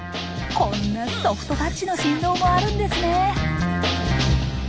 こんなソフトタッチの振動もあるんですね。